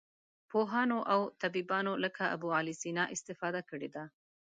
پوهانو او طبیبانو لکه ابوعلي سینا استفاده کړې ده.